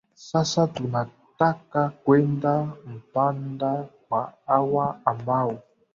sasa tunataka kwenda mpanda kwa hawa ambao